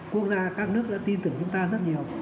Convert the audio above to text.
quốc gia các nước đã tin tưởng chúng ta rất nhiều